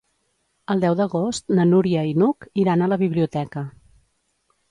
El deu d'agost na Núria i n'Hug iran a la biblioteca.